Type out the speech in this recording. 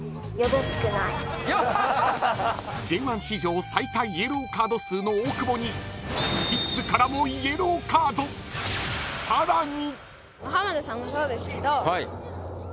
Ｊ１史上最多イエローカード数の大久保にキッズからもイエローカード。